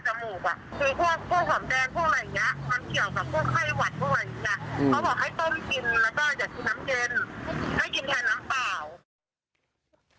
เขาบอกให้ต้มกินแล้วก็อยากกินน้ำเย็นให้กินแทนน้ำเปล่า